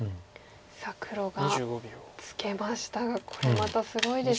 さあ黒がツケましたがこれまたすごいですね。